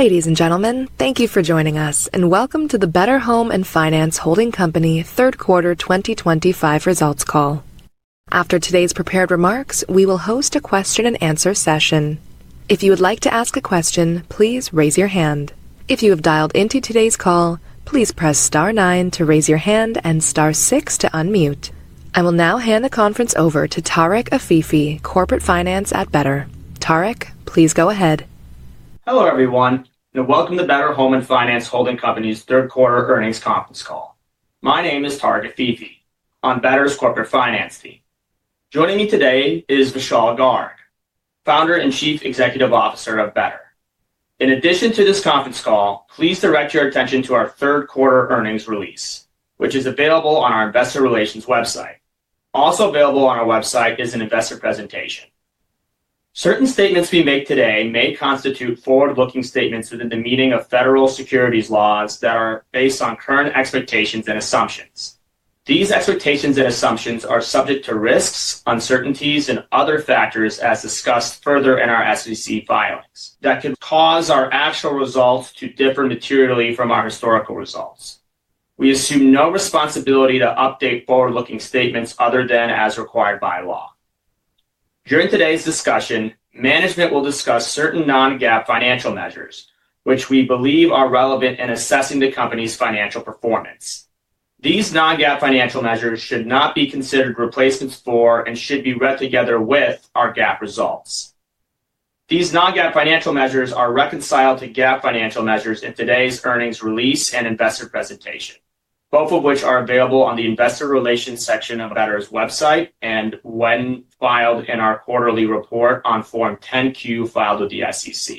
Ladies and gentlemen, thank you for joining us, and welcome to the Better Home & Finance Holding Company Third Quarter 2025 results call. After today's prepared remarks, we will host a question-and-answer session. If you would like to ask a question, please raise your hand. If you have dialed into today's call, please press star nine to raise your hand and star six to unmute. I will now hand the conference over to Tarek Afifi, Corporate Finance at Better. Tarek, please go ahead. Hello everyone, and welcome to Better Home & Finance Holding Company's third quarter earnings conference call. My name is Tarek Afifi, on Better's Corporate Finance team. Joining me today is Vishal Garg, Founder and Chief Executive Officer of Better. In addition to this conference call, please direct your attention to our third quarter earnings release, which is available on our investor relations website. Also available on our website is an investor presentation. Certain statements we make today may constitute forward-looking statements within the meaning of federal securities laws that are based on current expectations and assumptions. These expectations and assumptions are subject to risks, uncertainties, and other factors as discussed further in our SEC filings that could cause our actual results to differ materially from our historical results. We assume no responsibility to update forward-looking statements other than as required by law. During today's discussion, management will discuss certain non-GAAP financial measures, which we believe are relevant in assessing the company's financial performance. These non-GAAP financial measures should not be considered replacements for and should be read together with our GAAP results. These non-GAAP financial measures are reconciled to GAAP financial measures in today's earnings release and investor presentation, both of which are available on the investor relations section of Better's website and when filed in our quarterly report on Form 10-Q filed with the SEC.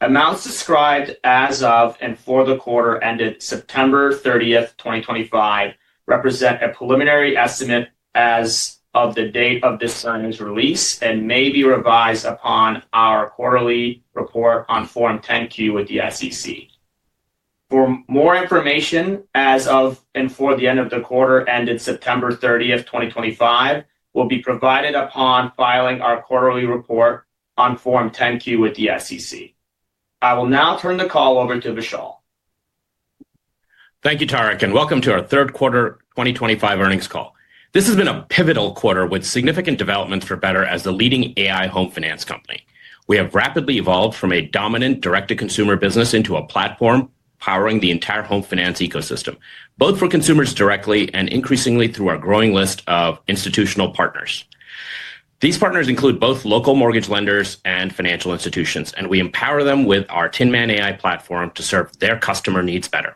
Amounts described as of and for the quarter ended September 30th 2025, represent a preliminary estimate as of the date of this earnings release and may be revised upon our quarterly report on Form 10-Q with the SEC. For more information as of and for the end of the quarter ended September 30th 2025, will be provided upon filing our quarterly report on Form 10-Q with the SEC. I will now turn the call over to Vishal. Thank you, Tarek, and welcome to our third quarter 2025 earnings call. This has been a pivotal quarter with significant developments for Better as the leading AI home finance company. We have rapidly evolved from a dominant direct-to-consumer business into a platform powering the entire home finance ecosystem, both for consumers directly and increasingly through our growing list of institutional partners. These partners include both local mortgage lenders and financial institutions, and we empower them with our TinMan AI Platform to serve their customer needs better.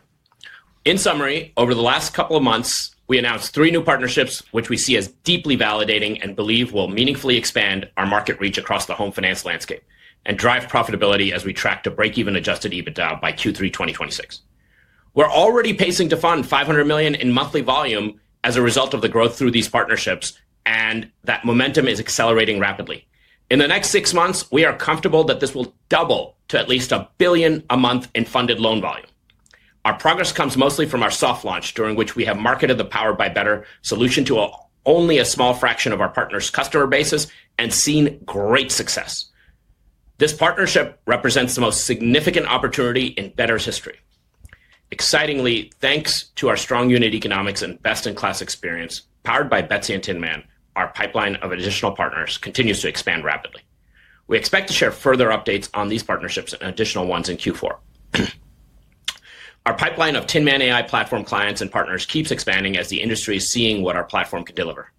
In summary, over the last couple of months, we announced three new partnerships, which we see as deeply validating and believe will meaningfully expand our market reach across the home finance landscape and drive profitability as we track to break-even Adjusted EBITDA by Q3 2026. We're already pacing to fund $500 million in monthly volume as a result of the growth through these partnerships, and that momentum is accelerating rapidly. In the next six months, we are comfortable that this will double to at least a billion a month in funded loan volume. Our progress comes mostly from our soft launch, during which we have marketed the Power Buy Better solution to only a small fraction of our partners' customer bases and seen great success. This partnership represents the most significant opportunity in Better's history. Excitingly, thanks to our strong unit economics and best-in-class experience powered by Betsy and Tinman, our pipeline of additional partners continues to expand rapidly. We expect to share further updates on these partnerships and additional ones in Q4. Our pipeline of TinMan AI Platform clients and partners keeps expanding as the industry is seeing what our platform can deliver.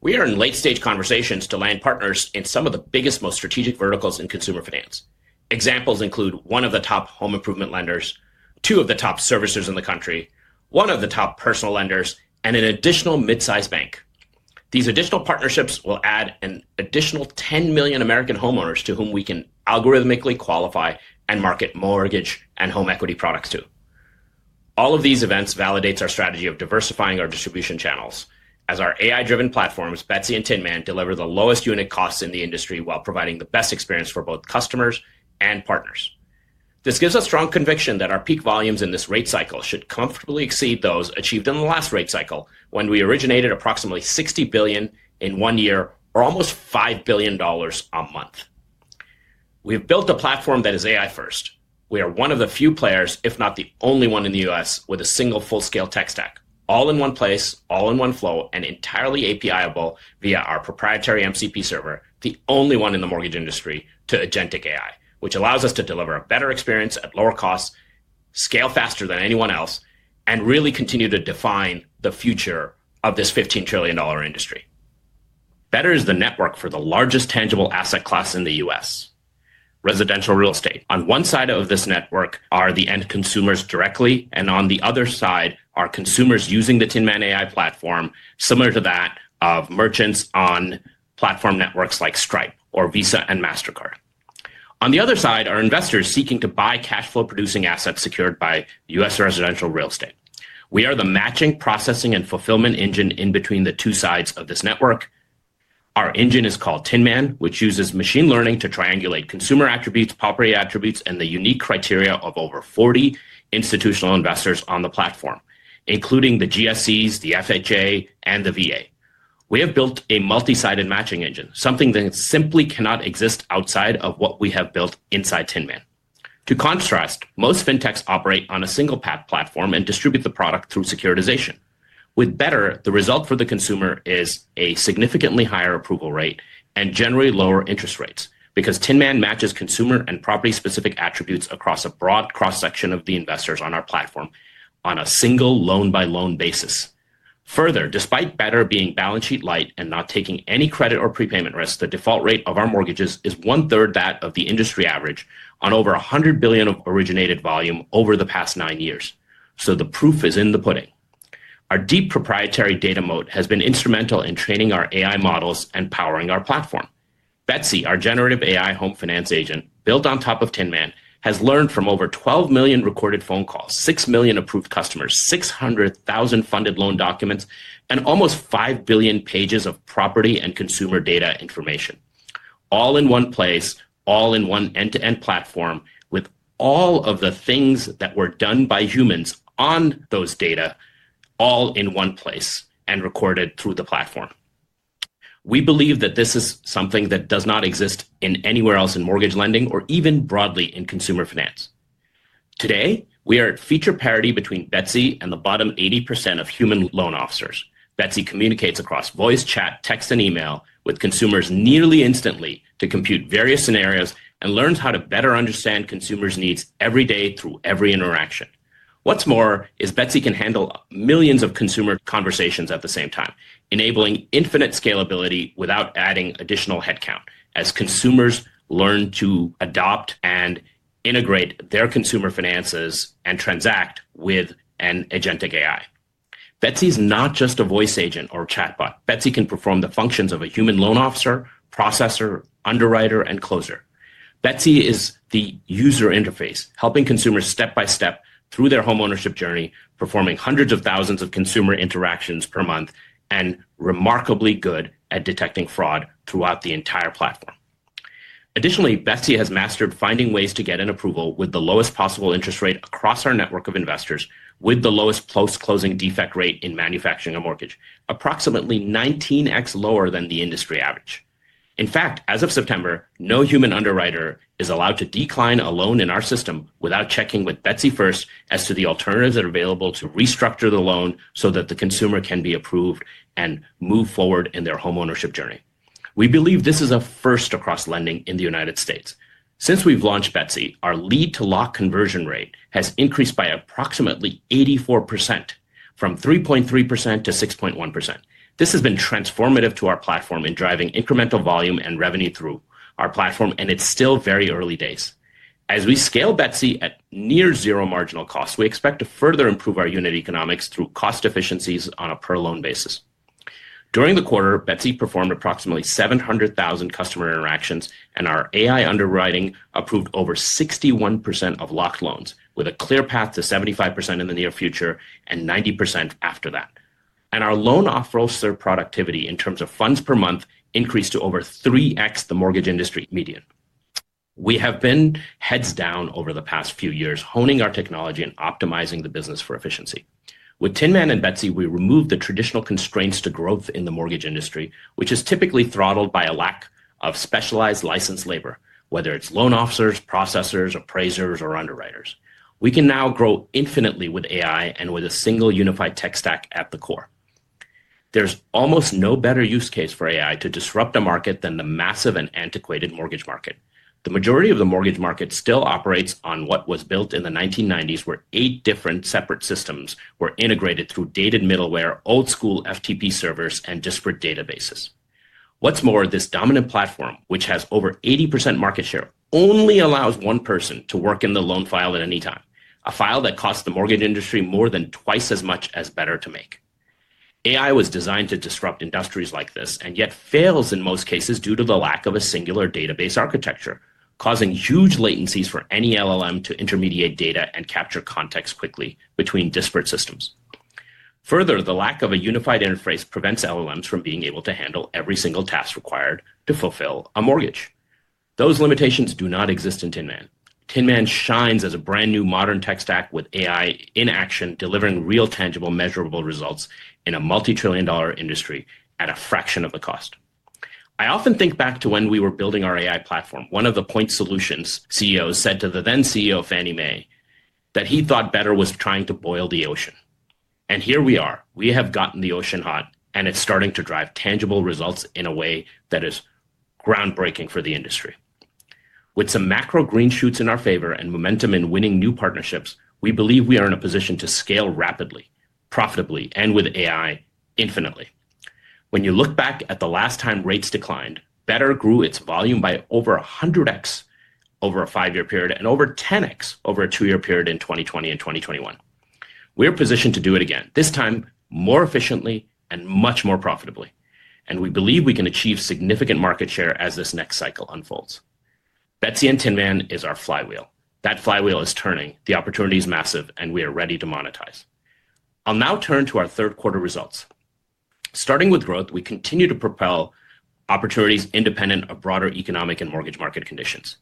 We are in late-stage conversations to land partners in some of the biggest, most strategic verticals in consumer finance. Examples include one of the top home improvement lenders, two of the top servicers in the country, one of the top personal lenders, and an additional mid-size bank. These additional partnerships will add an additional 10 million American homeowners to whom we can algorithmically qualify and market mortgage and home equity products to. All of these events validate our strategy of diversifying our distribution channels as our AI-driven platforms, Betsy and TinMan, deliver the lowest unit costs in the industry while providing the best experience for both customers and partners. This gives us strong conviction that our peak volumes in this rate cycle should comfortably exceed those achieved in the last rate cycle when we originated approximately $60 billion in one year or almost $5 billion a month. We have built a platform that is AI-first. We are one of the few players, if not the only one in the U.S., with a single full-scale tech stack, all in one place, all in one flow, and entirely API-able via our proprietary MCP server, the only one in the mortgage industry to agentic AI, which allows us to deliver a better experience at lower costs, scale faster than anyone else, and really continue to define the future of this $15 trillion industry. Better is the network for the largest tangible asset class in the U.S. residential real estate. On one side of this network are the end consumers directly, and on the other side are consumers using the TinMan AI Platform, similar to that of merchants on platform networks like Stripe or Visa and Mastercard. On the other side are investors seeking to buy cash flow-producing assets secured by U.S. residential real estate. We are the matching, processing, and fulfillment engine in between the two sides of this network. Our engine is called Tin Man, which uses machine learning to triangulate consumer attributes, property attributes, and the unique criteria of over 40 institutional investors on the platform, including the GSEs, the FHA, and the VA. We have built a multi-sided matching engine, something that simply cannot exist outside of what we have built inside TinMan. To contrast, most fintechs operate on a single platform and distribute the product through securitization. With Better, the result for the consumer is a significantly higher approval rate and generally lower interest rates because TinMan matches consumer and property-specific attributes across a broad cross-section of the investors on our platform on a single loan-by-loan basis. Further, despite Better being balance sheet light and not taking any credit or prepayment risk, the default rate of our mortgages is one-third that of the industry average on over $100 billion of originated volume over the past nine years. The proof is in the pudding. Our deep proprietary data moat has been instrumental in training our AI models and powering our platform. Betsy, our generative AI home finance agent, built on top of TinMan, has learned from over 12 million recorded phone calls, 6 million approved customers, 600,000 funded loan documents, and almost $5 billion pages of property and consumer data information. All in one place, all in one end-to-end platform with all of the things that were done by humans on those data, all in one place and recorded through the platform. We believe that this is something that does not exist anywhere else in mortgage lending or even broadly in consumer finance. Today, we are at feature parity between Betsy and the bottom 80% of human loan officers. Betsy communicates across voice, chat, text, and email with consumers nearly instantly to compute various scenarios and learns how to better understand consumers' needs every day through every interaction. What's more is Betsy can handle millions of consumer conversations at the same time, enabling infinite scalability without adding additional headcount as consumers learn to adopt and integrate their consumer finances and transact with an agentic AI. Betsy is not just a voice agent or chatbot. Betsy can perform the functions of a human loan officer, processor, underwriter, and closer. Betsy is the user interface, helping consumers step by step through their homeownership journey, performing hundreds of thousands of consumer interactions per month and remarkably good at detecting fraud throughout the entire platform. Additionally, Betsy has mastered finding ways to get an approval with the lowest possible interest rate across our network of investors, with the lowest post-closing defect rate in manufacturing a mortgage, approximately 19x lower than the industry average. In fact, as of September, no human underwriter is allowed to decline a loan in our system without checking with Betsy first as to the alternatives that are available to restructure the loan so that the consumer can be approved and move forward in their homeownership journey. We believe this is a first across lending in the U.S. Since we've launched Betsy, our lead-to-lock conversion rate has increased by approximately 84% from 3.3%-6.1%. This has been transformative to our platform in driving incremental volume and revenue through our platform, and it's still very early days. As we scale Betsy at near zero marginal cost, we expect to further improve our unit economics through cost efficiencies on a per-loan basis. During the quarter, Betsy performed approximately 700,000 customer interactions, and our AI underwriting approved over 61% of locked loans, with a clear path to 75% in the near future and 90% after that. Our loan officer productivity in terms of funds per month increased to over 3x the mortgage industry median. We have been heads down over the past few years, honing our technology and optimizing the business for efficiency. With TinMan and Betsy, we remove the traditional constraints to growth in the mortgage industry, which is typically throttled by a lack of specialized licensed labor, whether it's loan officers, processors, appraisers, or underwriters. We can now grow infinitely with AI and with a single unified tech stack at the core. There's almost no better use case for AI to disrupt a market than the massive and antiquated mortgage market. The majority of the mortgage market still operates on what was built in the 1990s, where eight different separate systems were integrated through dated middleware, old-school FTP servers, and disparate databases. What's more, this dominant platform, which has over 80% market share, only allows one person to work in the loan file at any time, a file that costs the mortgage industry more than twice as much as Better to make. AI was designed to disrupt industries like this and yet fails in most cases due to the lack of a singular database architecture, causing huge latencies for any LLM to intermediate data and capture context quickly between disparate systems. Further, the lack of a unified interface prevents LLMs from being able to handle every single task required to fulfill a mortgage. Those limitations do not exist in TinMan. TinMan shines as a brand new modern tech stack with AI in action, delivering real tangible measurable results in a multi-trillion dollar industry at a fraction of the cost. I often think back to when we were building our AI platform. One of the point solutions CEOs said to the then CEO, Fannie Mae, that he thought Better was trying to boil the ocean. And here we are. We have gotten the ocean hot, and it's starting to drive tangible results in a way that is groundbreaking for the industry. With some macro green shoots in our favor and momentum in winning new partnerships, we believe we are in a position to scale rapidly, profitably, and with AI infinitely. When you look back at the last time rates declined, Better grew its volume by over 100x over a five-year period and over 10x over a two-year period in 2020 and 2021. We are positioned to do it again, this time more efficiently and much more profitably. We believe we can achieve significant market share as this next cycle unfolds. Betsy and TinMan is our flywheel. That flywheel is turning. The opportunity is massive, and we are ready to monetize. I'll now turn to our third quarter results. Starting with growth, we continue to propel opportunities independent of broader economic and mortgage market conditions.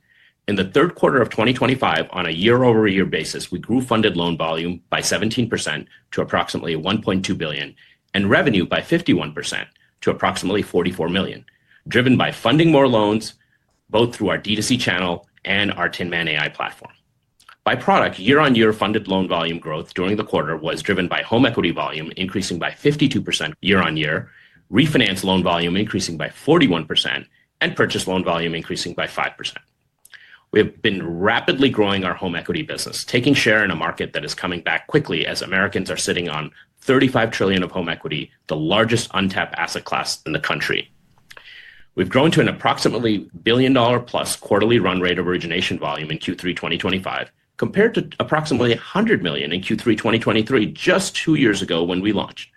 In the third quarter of 2025, on a year-over-year basis, we grew funded loan volume by 17% to approximately $1.2 billion and revenue by 51% to approximately $44 million, driven by funding more loans both through our D2C channel and our TinMan AI Platform. By product, year-on-year funded loan volume growth during the quarter was driven by home equity volume increasing by 52% year-on-year, refinance loan volume increasing by 41%, and purchase loan volume increasing by 5%. We have been rapidly growing our home equity business, taking share in a market that is coming back quickly as Americans are sitting on $35 trillion of home equity, the largest untapped asset class in the country. We've grown to an approximately billion-plus quarterly run rate of origination volume in Q3 2025, compared to approximately $100 million in Q3 2023, just two years ago when we launched.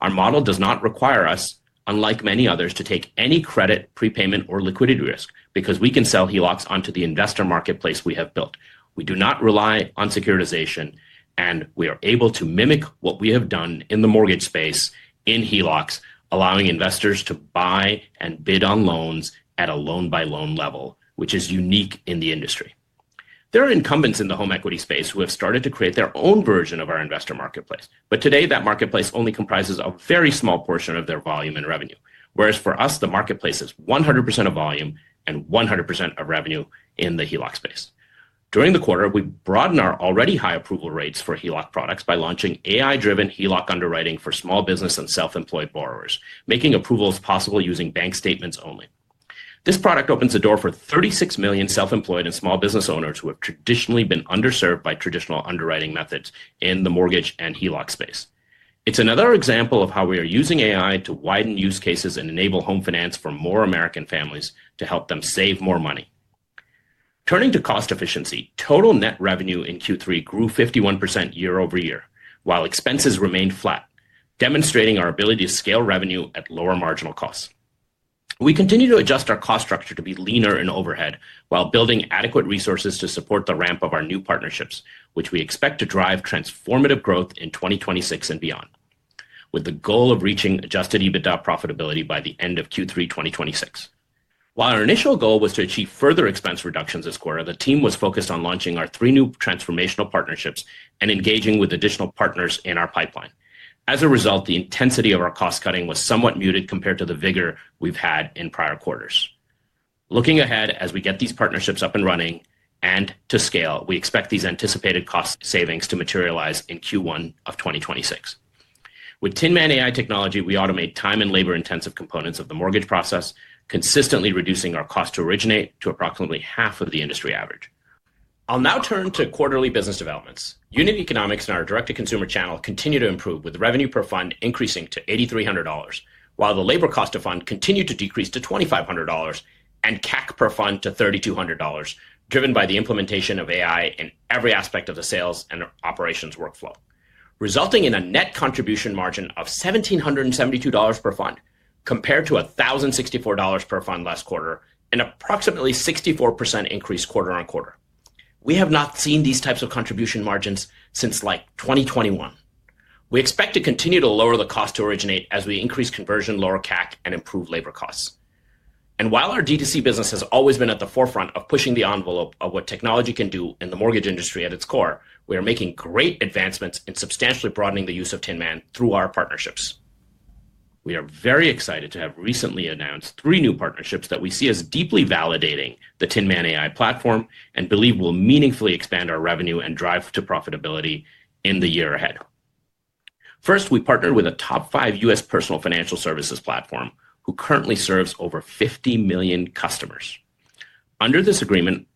Our model does not require us, unlike many others, to take any credit, prepayment, or liquidity risk because we can sell HELOCs onto the investor marketplace we have built. We do not rely on securitization, and we are able to mimic what we have done in the mortgage space in HELOCs, allowing investors to buy and bid on loans at a loan-by-loan level, which is unique in the industry. There are incumbents in the home equity space who have started to create their own version of our investor marketplace. Today, that marketplace only comprises a very small portion of their volume and revenue, whereas for us, the marketplace is 100% of volume and 100% of revenue in the HELOC space. During the quarter, we broadened our already high approval rates for HELOC products by launching AI-driven HELOC underwriting for small business and self-employed borrowers, making approvals possible using bank statements only. This product opens the door for 36 million self-employed and small business owners who have traditionally been underserved by traditional underwriting methods in the mortgage and HELOC space. It's another example of how we are using AI to widen use cases and enable home finance for more American families to help them save more money. Turning to cost efficiency, total net revenue in Q3 grew 51% year-over-year, while expenses remained flat, demonstrating our ability to scale revenue at lower marginal costs. We continue to adjust our cost structure to be leaner in overhead while building adequate resources to support the ramp of our new partnerships, which we expect to drive transformative growth in 2026 and beyond, with the goal of reaching Adjusted EBITDA profitability by the end of Q3 2026. While our initial goal was to achieve further expense reductions this quarter, the team was focused on launching our three new transformational partnerships and engaging with additional partners in our pipeline. As a result, the intensity of our cost cutting was somewhat muted compared to the vigor we've had in prior quarters. Looking ahead as we get these partnerships up and running and to scale, we expect these anticipated cost savings to materialize in Q1 of 2026. With TinMan AI technology, we automate time and labor-intensive components of the mortgage process, consistently reducing our cost to originate to approximately half of the industry average. I'll now turn to quarterly business developments. Unit economics in our direct-to-consumer channel continue to improve with revenue per fund increasing to $8,300, while the labor cost of fund continued to decrease to $2,500 and CAC per fund to $3,200, driven by the implementation of AI in every aspect of the sales and operations workflow, resulting in a net contribution margin of $1,772 per fund compared to $1,064 per fund last quarter, an approximately 64% increase quarter-on-quarter. We have not seen these types of contribution margins since like 2021. We expect to continue to lower the cost to originate as we increase conversion, lower CAC, and improve labor costs. While our D2C business has always been at the forefront of pushing the envelope of what technology can do in the mortgage industry at its core, we are making great advancements in substantially broadening the use of TinMan through our partnerships. We are very excited to have recently announced three new partnerships that we see as deeply validating the TinMan AI Platform and believe will meaningfully expand our revenue and drive to profitability in the year ahead. First, we partnered with a top five US personal financial services platform who currently serves over 50 million customers. Under this agreement,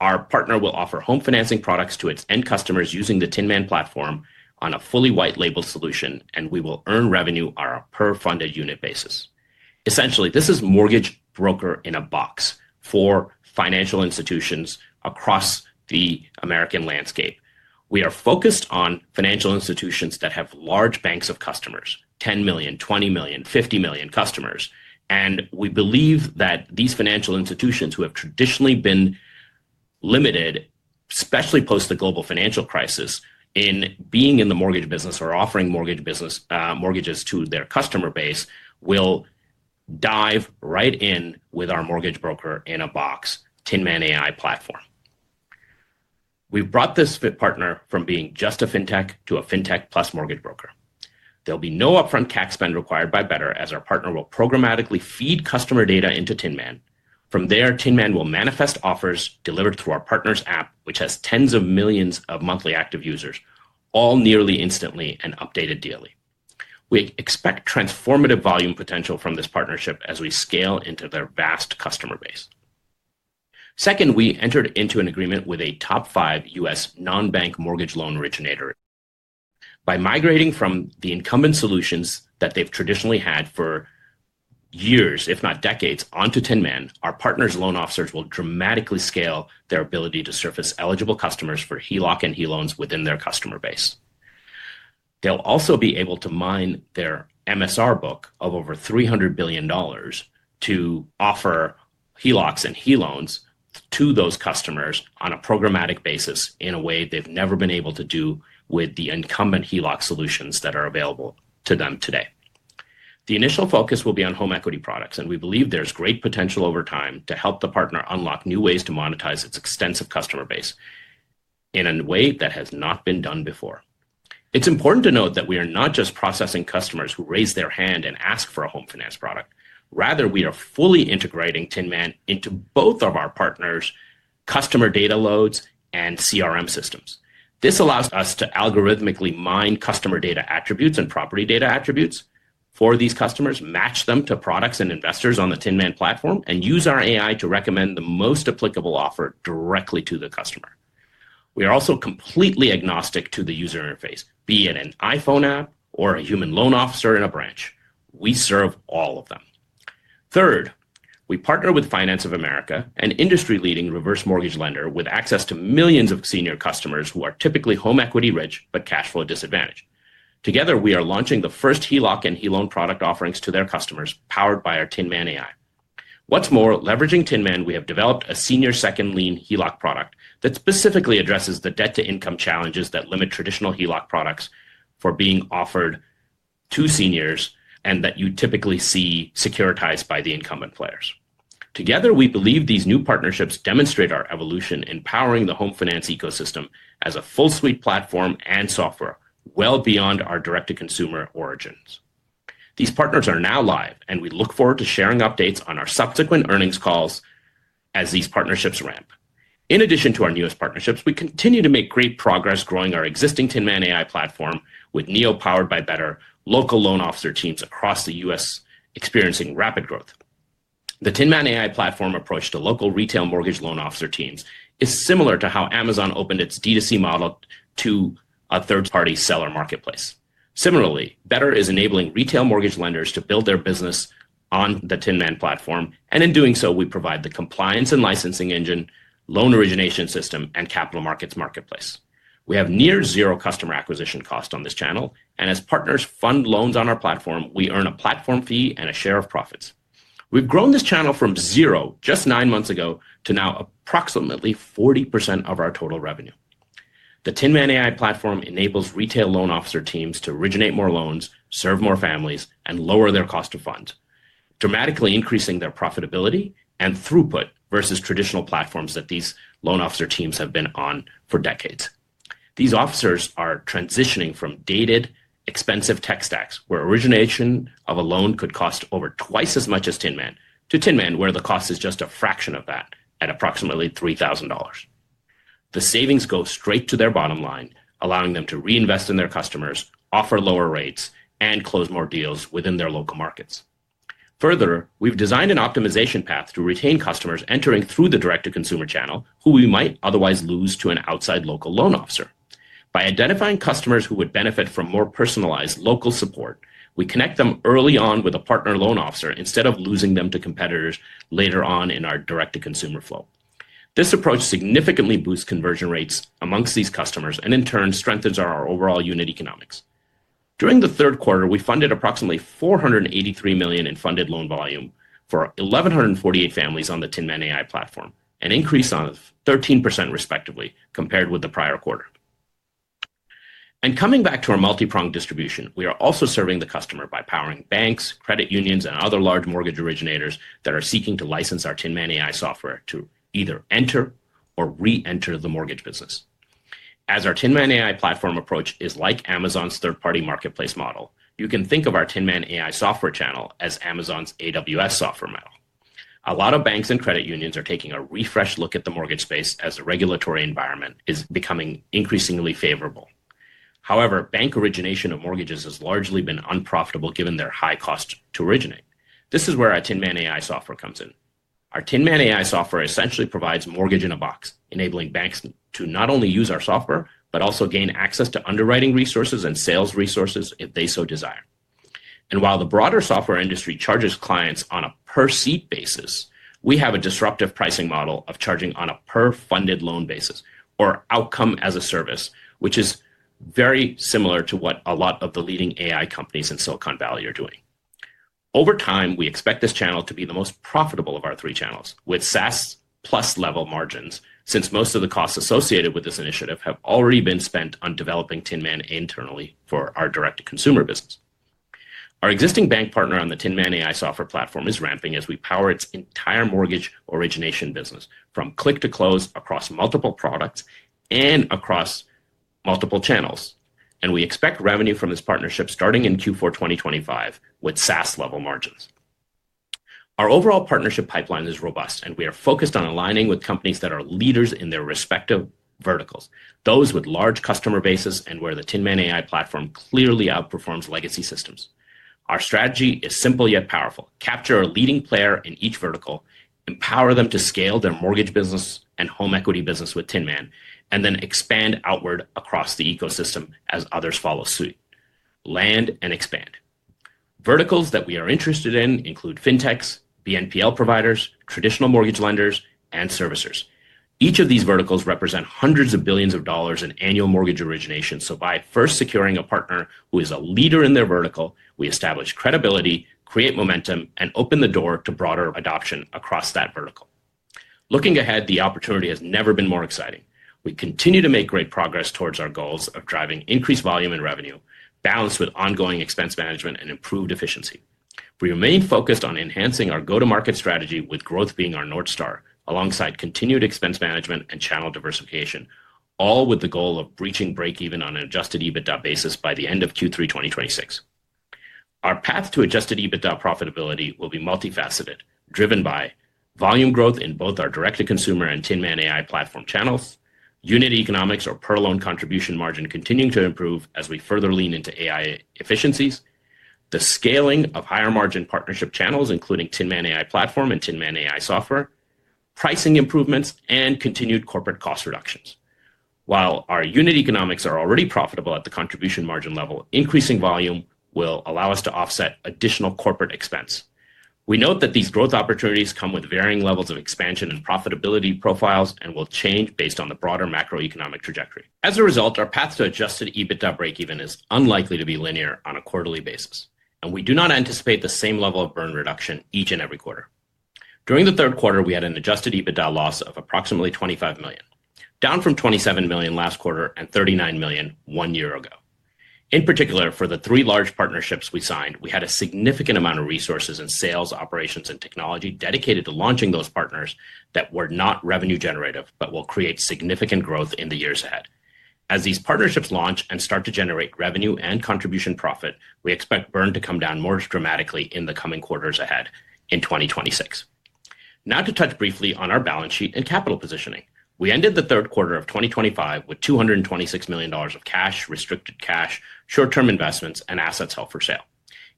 our partner will offer home financing products to its end customers using the TinMan Platform on a fully white-labeled solution, and we will earn revenue on a per-funded unit basis. Essentially, this is a mortgage broker in a box for financial institutions across the American landscape. We are focused on financial institutions that have large banks of customers, 10 million, 20 million, 50 million customers. We believe that these financial institutions who have traditionally been limited, especially post the global financial crisis, in being in the mortgage business or offering mortgage business mortgages to their customer base will dive right in with our mortgage broker in a box, TinMan AI Platform. We have brought this fit partner from being just a fintech to a fintech plus mortgage broker. There will be no upfront CAC spend required by Better as our partner will programmatically feed customer data into TinMan. From there, TinMan will manifest offers delivered through our partner's app, which has tens of millions of monthly active users, all nearly instantly and updated daily. We expect transformative volume potential from this partnership as we scale into their vast customer base. Second, we entered into an agreement with a top five US non-bank mortgage loan originator. By migrating from the incumbent solutions that they've traditionally had for years, if not decades, onto TinMan, our partner's loan officers will dramatically scale their ability to surface eligible customers for HELOC and HELOANs within their customer base. They'll also be able to mine their MSR book of over $300 billion to offer HELOCs and HELOANs to those customers on a programmatic basis in a way they've never been able to do with the incumbent HELOC solutions that are available to them today. The initial focus will be on home equity products, and we believe there's great potential over time to help the partner unlock new ways to monetize its extensive customer base in a way that has not been done before. It's important to note that we are not just processing customers who raise their hand and ask for a home finance product. Rather, we are fully integrating TinMan into both of our partners' customer data loads and CRM systems. This allows us to algorithmically mine customer data attributes and property data attributes for these customers, match them to products and investors on the TinMan platform, and use our AI to recommend the most applicable offer directly to the customer. We are also completely agnostic to the user interface, be it an iPhone app or a human loan officer in a branch. We serve all of them. Third, we partner with Finance of America, an industry-leading reverse mortgage lender with access to millions of senior customers who are typically home equity rich but cash flow disadvantaged. Together, we are launching the first HELOC and HELOAN product offerings to their customers powered by our TinMan AI. What's more, leveraging TinMan, we have developed a senior second lien HELOC product that specifically addresses the debt-to-income challenges that limit traditional HELOC products from being offered to seniors and that you typically see securitized by the incumbent players. Together, we believe these new partnerships demonstrate our evolution, empowering the home finance ecosystem as a full-suite platform and software well beyond our direct-to-consumer origins. These partners are now live, and we look forward to sharing updates on our subsequent earnings calls as these partnerships ramp. In addition to our newest partnerships, we continue to make great progress growing our existing TinMan AI Platform with NEO powered by Better local loan officer teams across the US experiencing rapid growth. The TinMan AI Platform approach to local retail mortgage loan officer teams is similar to how Amazon opened its D2C model to a third-party seller marketplace. Similarly, Better is enabling retail mortgage lenders to build their business on the TinMan platform, and in doing so, we provide the compliance and licensing engine, loan origination system, and capital markets marketplace. We have near zero customer acquisition cost on this channel, and as partners fund loans on our platform, we earn a platform fee and a share of profits. We've grown this channel from zero just nine months ago to now approximately 40% of our total revenue. The TinMan AI Platform enables retail loan officer teams to originate more loans, serve more families, and lower their cost of funds, dramatically increasing their profitability and throughput versus traditional platforms that these loan officer teams have been on for decades. These officers are transitioning from dated, expensive tech stacks where origination of a loan could cost over twice as much as TinMan to TinMan, where the cost is just a fraction of that at approximately $3,000. The savings go straight to their bottom line, allowing them to reinvest in their customers, offer lower rates, and close more deals within their local markets. Further, we've designed an optimization path to retain customers entering through the direct-to-consumer channel who we might otherwise lose to an outside local loan officer. By identifying customers who would benefit from more personalized local support, we connect them early on with a partner loan officer instead of losing them to competitors later on in our direct-to-consumer flow. This approach significantly boosts conversion rates amongst these customers and, in turn, strengthens our overall unit economics. During the third quarter, we funded approximately $483 million in funded loan volume for 1,148 families on the TinMan AI Platform, an increase of 13% respectively compared with the prior quarter. Coming back to our multi-pronged distribution, we are also serving the customer by powering banks, credit unions, and other large mortgage originators that are seeking to license our TinMan AI software to either enter or re-enter the mortgage business. As our TinMan AI Platform approach is like Amazon's third-party marketplace model, you can think of our TinMan AI software channel as Amazon's AWS software model. A lot of banks and credit unions are taking a refreshed look at the mortgage space as the regulatory environment is becoming increasingly favorable. However, bank origination of mortgages has largely been unprofitable given their high cost to originate. This is where our TinMan AI software comes in. Our TinMan AI software essentially provides mortgage in a box, enabling banks to not only use our software but also gain access to underwriting resources and sales resources if they so desire. While the broader software industry charges clients on a per-seat basis, we have a disruptive pricing model of charging on a per-funded loan basis or outcome as a service, which is very similar to what a lot of the leading AI companies in Silicon Valley are doing. Over time, we expect this channel to be the most profitable of our three channels with SaaS plus level margins since most of the costs associated with this initiative have already been spent on developing TinMan internally for our direct-to-consumer business. Our existing bank partner on the TinMan AI software platform is ramping as we power its entire mortgage origination business from click to close across multiple products and across multiple channels. We expect revenue from this partnership starting in Q4 2025 with SaaS level margins. Our overall partnership pipeline is robust, and we are focused on aligning with companies that are leaders in their respective verticals, those with large customer bases and where the TinMan AI Platform clearly outperforms legacy systems. Our strategy is simple yet powerful, capture a leading player in each vertical, empower them to scale their mortgage business and home equity business with Tin Man, and then expand outward across the ecosystem as others follow suit. Land and expand. Verticals that we are interested in include fintech's, BNPL providers, traditional mortgage lenders, and servicers. Each of these verticals represent hundreds of billions of dollars in annual mortgage origination. By first securing a partner who is a leader in their vertical, we establish credibility, create momentum, and open the door to broader adoption across that vertical. Looking ahead, the opportunity has never been more exciting. We continue to make great progress towards our goals of driving increased volume and revenue, balanced with ongoing expense management and improved efficiency. We remain focused on enhancing our go-to-market strategy, with growth being our North Star, alongside continued expense management and channel diversification, all with the goal of reaching break-even on an Adjusted EBITDA basis by the end of Q3 2026. Our path to Adjusted EBITDA profitability will be multifaceted, driven by volume growth in both our direct-to-consumer and TinMan AI Platform channels, unit economics or per-loan contribution margin continuing to improve as we further lean into AI efficiencies, the scaling of higher-margin partnership channels, including TinMan AI Platform and TinMan AI software, pricing improvements, and continued corporate cost reductions. While our unit economics are already profitable at the contribution margin level, increasing volume will allow us to offset additional corporate expense. We note that these growth opportunities come with varying levels of expansion and profitability profiles and will change based on the broader macroeconomic trajectory. As a result, our path to Adjusted EBITDA break-even is unlikely to be linear on a quarterly basis, and we do not anticipate the same level of burn reduction each and every quarter. During the third quarter, we had an Adjusted EBITDA loss of approximately $25 million, down from $27 million last quarter and $39 million one year ago. In particular, for the three large partnerships we signed, we had a significant amount of resources in sales, operations, and technology dedicated to launching those partners that were not revenue-generative but will create significant growth in the years ahead. As these partnerships launch and start to generate revenue and contribution profit, we expect burn to come down more dramatically in the coming quarters ahead in 2026. Now to touch briefly on our balance sheet and capital positioning. We ended the third quarter of 2025 with $226 million of cash, restricted cash, short-term investments, and assets held for sale.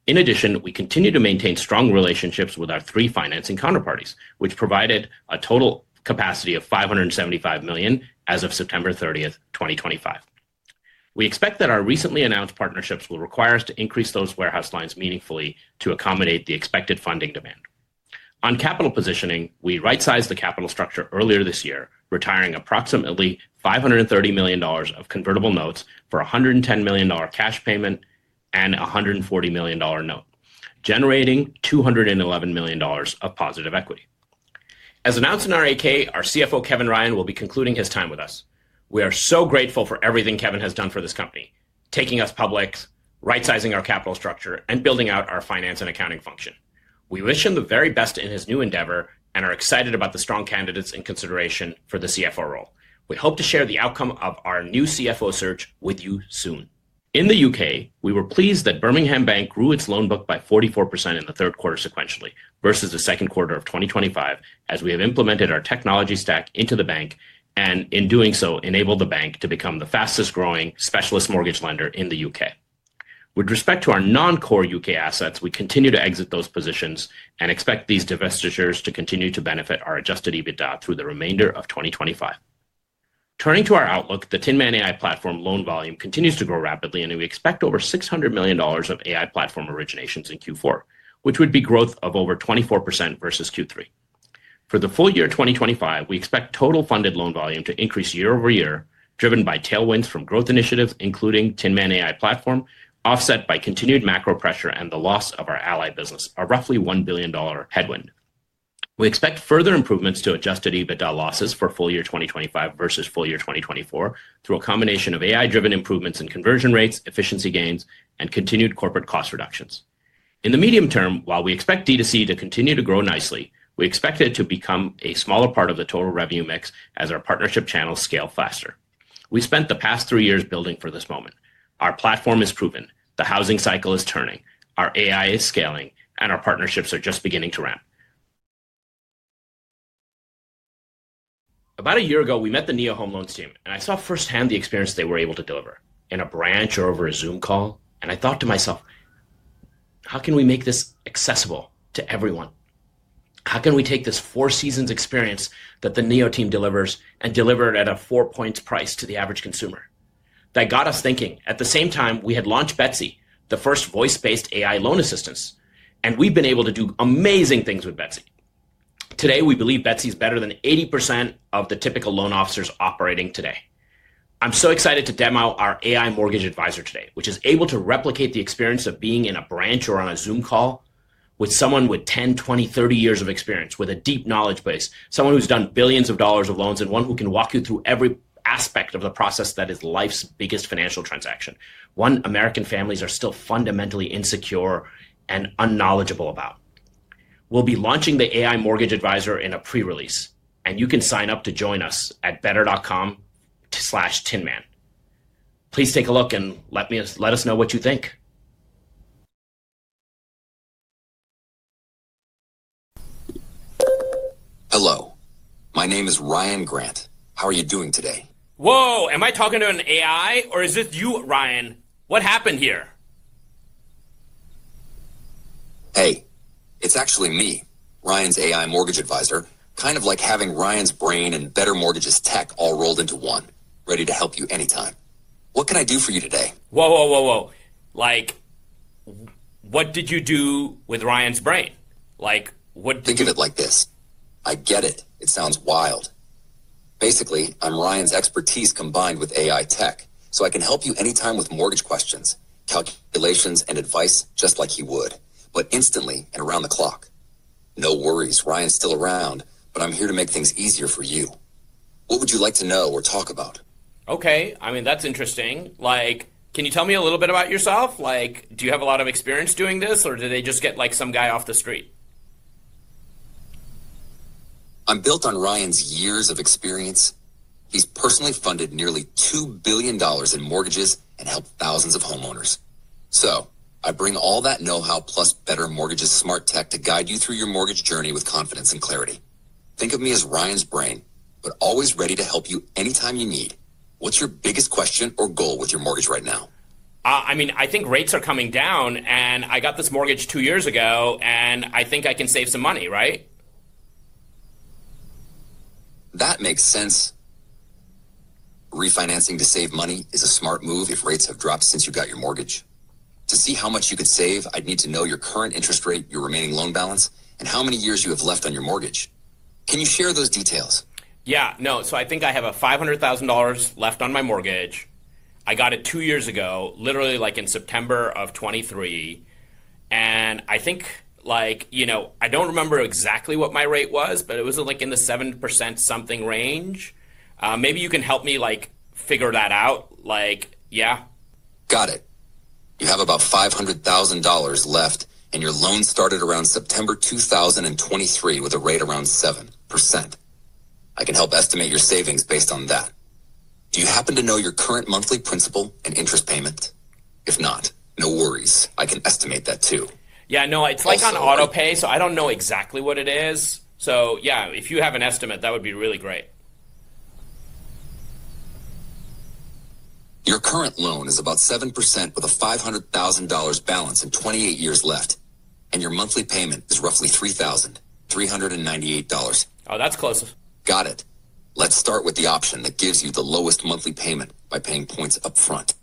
In addition, we continue to maintain strong relationships with our three financing counterparties, which provided a total capacity of $575 million as of September 30, 2025. We expect that our recently announced partnerships will require us to increase those warehouse lines meaningfully to accommodate the expected funding demand. On capital positioning, we right-sized the capital structure earlier this year, retiring approximately $530 million of convertible notes for a $110 million cash payment and a $140 million note, generating $211 million of positive equity. As announced in our 8-K, our CFO, Kevin Ryan, will be concluding his time with us. We are so grateful for everything Kevin has done for this company, taking us public, right-sizing our capital structure, and building out our finance and accounting function. We wish him the very best in his new endeavor and are excited about the strong candidates in consideration for the CFO role. We hope to share the outcome of our new CFO search with you soon. In the U.K., we were pleased that Birmingham Bank grew its loan book by 44% in the third quarter sequentially versus the second quarter of 2025, as we have implemented our technology stack into the bank and, in doing so, enabled the bank to become the fastest-growing specialist mortgage lender in the U.K. With respect to our non-core U.K. assets, we continue to exit those positions and expect these divestitures to continue to benefit our Adjusted EBITDA through the remainder of 2025. Turning to our outlook, the TinMan AI Platform loan volume continues to grow rapidly, and we expect over $600 million of AI platform originations in Q4, which would be growth of over 24% versus Q3. For the full year 2025, we expect total funded loan volume to increase year over year, driven by tailwinds from growth initiatives, including TinMan AI Platform, offset by continued macro pressure and the loss of our Ally business, a roughly $1 billion headwind. We expect further improvements to Adjusted EBITDA losses for full year 2025 versus full year 2024 through a combination of AI-driven improvements in conversion rates, efficiency gains, and continued corporate cost reductions. In the medium term, while we expect D2C to continue to grow nicely, we expect it to become a smaller part of the total revenue mix as our partnership channels scale faster. We spent the past three years building for this moment. Our platform is proven. The housing cycle is turning. Our AI is scaling, and our partnerships are just beginning to ramp. About a year ago, we met the NEO Home Loans team, and I saw firsthand the experience they were able to deliver in a branch or over a Zoom call, and I thought to myself, "How can we make this accessible to everyone? How can we take this four-seasons experience that the Neo team delivers and deliver it at a four-points price to the average consumer?" That got us thinking. At the same time, we had launched Betsy, the first voice-based AI loan assistant, and we've been able to do amazing things with Betsy. Today, we believe Betsy is better than 80% of the typical loan officers operating today. I'm so excited to demo our AI mortgage advisor today, which is able to replicate the experience of being in a branch or on a Zoom call with someone with 10, 20, 30 years of experience, with a deep knowledge base, someone who's done billions of dollars of loans, and one who can walk you through every aspect of the process that is life's biggest financial transaction, one American families are still fundamentally insecure and unknowledgeable about. We'll be launching the AI mortgage advisor in a pre-release, and you can sign up to join us at better.com/tinman. Please take a look and let us know what you think. Hello. My name is Ryan Grant. How are you doing today? Whoa. Am I talking to an AI, or is this you, Ryan? What happened here? Hey. It's actually me, Ryan's AI mortgage advisor, kind of like having Ryan's brain and Better Mortgages tech all rolled into one, ready to help you anytime. What can I do for you today? Whoa, whoa, whoa. Like, what did you do with Ryan's brain? Like, what? Think of it like this. I get it. It sounds wild. Basically, I'm Ryan's expertise combined with AI tech, so I can help you anytime with mortgage questions, calculations, and advice just like he would, but instantly and around the clock. No worries. Ryan's still around, but I'm here to make things easier for you. What would you like to know or talk about? Okay. I mean, that's interesting. Like, can you tell me a little bit about yourself? Like, do you have a lot of experience doing this, or did they just get like some guy off the street? I'm built on Ryan's years of experience. He's personally funded nearly $2 billion in mortgages and helped thousands of homeowners. So I bring all that know-how plus Better Mortgage's smart tech to guide you through your mortgage journey with confidence and clarity. Think of me as Ryan's brain, but always ready to help you anytime you need. What's your biggest question or goal with your mortgage right now? I mean, I think rates are coming down, and I got this mortgage two years ago, and I think I can save some money, right? That makes sense. Refinancing to save money is a smart move if rates have dropped since you got your mortgage. To see how much you could save, I'd need to know your current interest rate, your remaining loan balance, and how many years you have left on your mortgage. Can you share those details? Yeah. No. I think I have a $500,000 left on my mortgage. I got it two years ago, literally like in September of 2023. I think, like, you know, I do not remember exactly what my rate was, but it was like in the 7% something range. Maybe you can help me like figure that out. Like, yeah. Got it. You have about $500,000 left, and your loan started around September 2023 with a rate around 7%. I can help estimate your savings based on that. Do you happen to know your current monthly principal and interest payment? If not, no worries. I can estimate that too. Yeah. No, it is like on autopay, so I do not know exactly what it is. So yeah, if you have an estimate, that would be really great. Your current loan is about 7% with a $500,000 balance and 28 years left, and your monthly payment is roughly $3,398. Oh, that's close. Got it. Let's start with the option that gives you the lowest monthly payment by paying points upfront.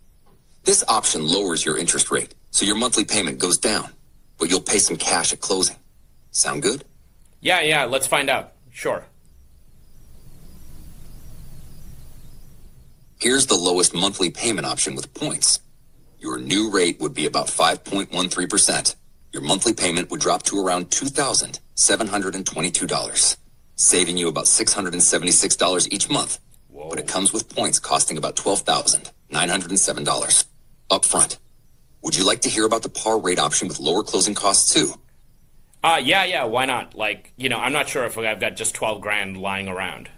This option lowers your interest rate, so your monthly payment goes down, but you'll pay some cash at closing. Sound good? Yeah, yeah. Let's find out. Sure. Here's the lowest monthly payment option with points. Your new rate would be about 5.13%. Your monthly payment would drop to around $2,722, saving you about $676 each month, but it comes with points costing about $12,907 upfront. Would you like to hear about the par rate option with lower closing costs too? Yeah, yeah. Why not? Like, you know, I'm not sure if I've got just 12 grand lying around.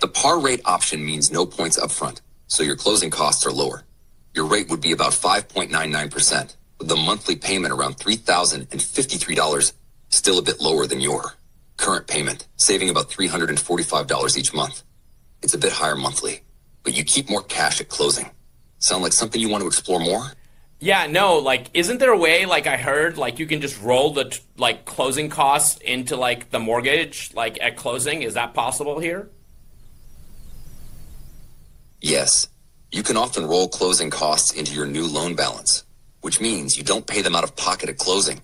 The par rate option means no points upfront, so your closing costs are lower. Your rate would be about 5.99%, with the monthly payment around $3,053, still a bit lower than your current payment, saving about $345 each month. It's a bit higher monthly, but you keep more cash at closing. Sound like something you want to explore more? Yeah. No. Like, isn't there a way, like I heard, like you can just roll the closing costs into the mortgage at closing? Is that possible here? Yes. You can often roll closing costs into your new loan balance, which means you don't pay them out of pocket at closing.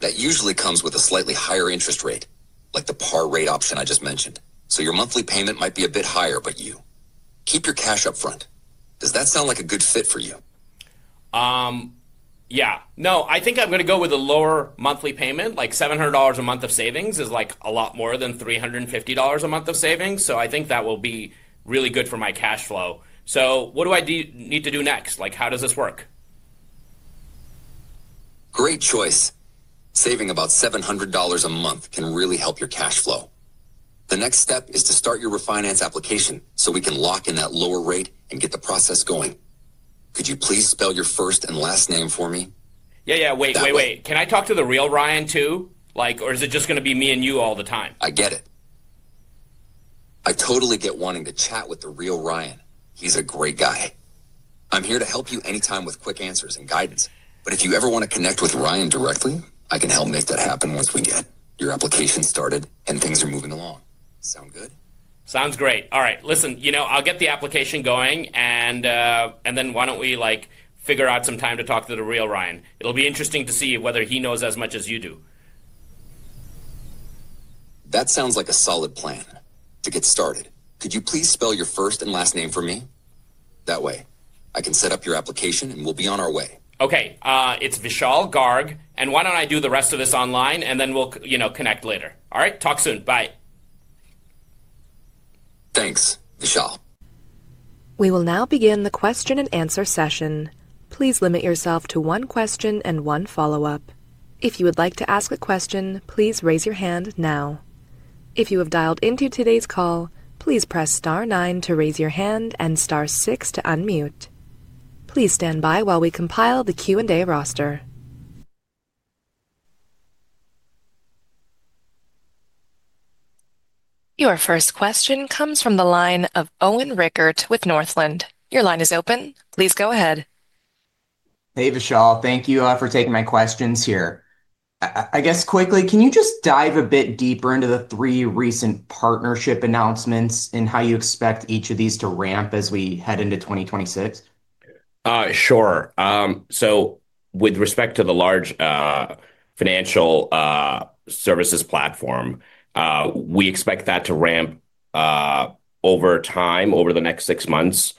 That usually comes with a slightly higher interest rate, like the par rate option I just mentioned. So your monthly payment might be a bit higher, but you keep your cash upfront. Does that sound like a good fit for you? Yeah. No, I think I'm going to go with a lower monthly payment. Like $700 a month of savings is like a lot more than $350 a month of savings. I think that will be really good for my cash flow. What do I need to do next? Like, how does this work? Great choice. Saving about $700 a month can really help your cash flow. The next step is to start your refinance application so we can lock in that lower rate and get the process going. Could you please spell your first and last name for me? Yeah, wait, wait, wait. Can I talk to the real Ryan too? Like, or is it just going to be me and you all the time? I get it. I totally get wanting to chat with the real Ryan. He's a great guy. I'm here to help you anytime with quick answers and guidance. If you ever want to connect with Ryan directly, I can help make that happen once we get your application started and things are moving along. Sound good? Sounds great. All right. Listen, you know, I'll get the application going, and then why don't we figure out some time to talk to the real Ryan? It'll be interesting to see whether he knows as much as you do. That sounds like a solid plan to get started. Could you please spell your first and last name for me? That way I can set up your application and we'll be on our way. Okay. It's Vishal Garg. Why don't I do the rest of this online and then we'll connect later? All right. Talk soon. Bye. Thanks, Vishal. We will now begin the question and answer session. Please limit yourself to one question and one follow-up. If you would like to ask a question, please raise your hand now. If you have dialed into today's call, please press star nine to raise your hand and star six to unmute. Please stand by while we compile the Q&A roster. Your first question comes from the line of Owen Rickert with Northland. Your line is open. Please go ahead. Hey, Vishal. Thank you for taking my questions here. I guess quickly, can you just dive a bit deeper into the three recent partnership announcements and how you expect each of these to ramp as we head into 2026? Sure. With respect to the large financial services platform, we expect that to ramp over time, over the next six months,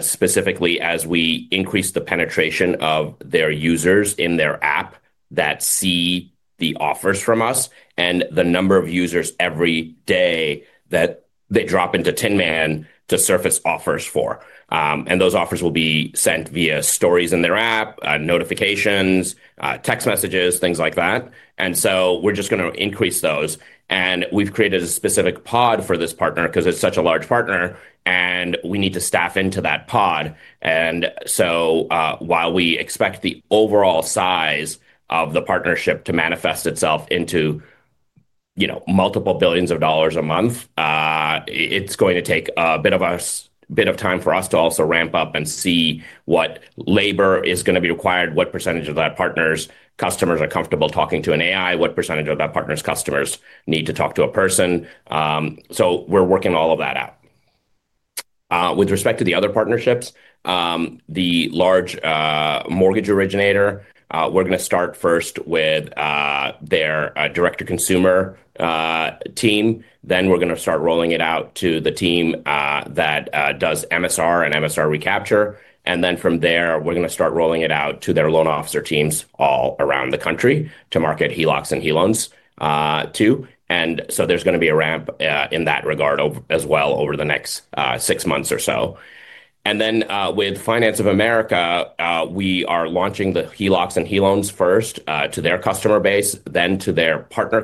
specifically as we increase the penetration of their users in their app that see the offers from us and the number of users every day that they drop into TinMan to surface offers for. Those offers will be sent via stories in their app, notifications, text messages, things like that. We are just going to increase those. We have created a specific pod for this partner because it is such a large partner, and we need to staff into that pod. While we expect the overall size of the partnership to manifest itself into multiple billions of dollars a month, it's going to take a bit of time for us to also ramp up and see what labor is going to be required, what percentage of that partner's customers are comfortable talking to an AI, what percentage of that partner's customers need to talk to a person. We're working all of that out. With respect to the other partnerships, the large mortgage originator, we're going to start first with their direct-to-consumer team. We're going to start rolling it out to the team that does MSR and MSR recapture. From there, we're going to start rolling it out to their loan officer teams all around the country to market HELOCs and HELOANs too. There's going to be a ramp in that regard as well over the next six months or so. With Finance of America, we are launching the HELOCs and HELOANs first to their customer base, then to their partner